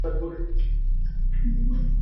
د بهرنیو پالیسي اهداف په واضح ډول نه تشریح کېږي.